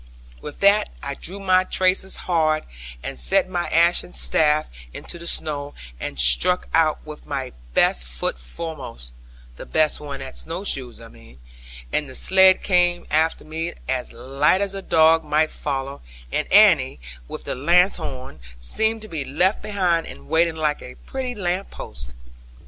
With that I drew my traces hard, and set my ashen staff into the snow, and struck out with my best foot foremost (the best one at snow shoes, I mean), and the sledd came after me as lightly as a dog might follow; and Annie, with the lanthorn, seemed to be left behind and waiting like a pretty lamp post.